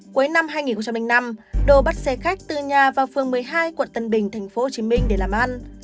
cuối năm hai nghìn năm đô bắt xe khách từ nhà vào phường một mươi hai quận tân bình thành phố hồ chí minh để làm ăn